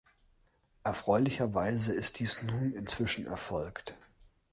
Erfreulicherweise ist dies nun inzwischen erfolgt.